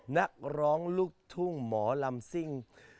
นักร้องลูกทุ่งหมอลำซิ่ง